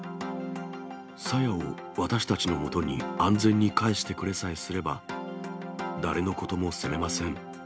朝芽を私たちのもとに安全に帰してくれさえすれば、誰のことも責めません。